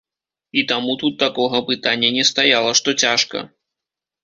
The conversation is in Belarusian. І таму тут такога пытання не стаяла, што цяжка.